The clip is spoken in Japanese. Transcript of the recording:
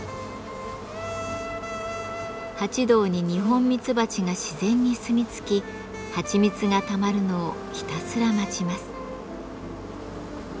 蜂洞にニホンミツバチが自然にすみつきはちみつがたまるのをひたすら待ちます。